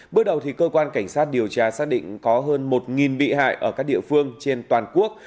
bước đầu cơ quan cảnh sát điều tra xác định có hơn một bị hại ở các địa phương trên toàn quốc